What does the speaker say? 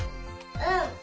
うん。